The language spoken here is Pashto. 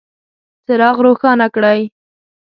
څراغ روښانه کړئ